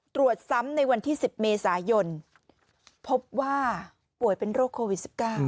ตรวจซ้ำในวันที่๑๐เมษายนพบว่าป่วยเป็นโรคโควิด๑๙